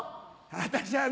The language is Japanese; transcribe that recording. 私はね